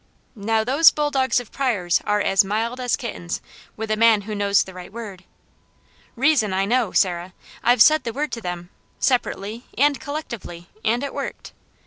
Now those bulldogs of Pryors' are as mild as kittens with a man who knows the right word. Reason I know, Sarah, I've said the word to them, separately and collectively, and it worked.